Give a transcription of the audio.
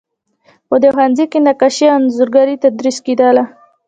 په دې ښوونځي کې نقاشي او انځورګري تدریس کیدله.